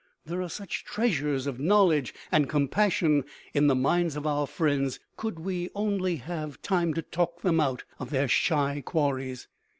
There are such treasures of knowledge and compassion in the minds of our friends, could we only have time to talk them out of their shy quarries.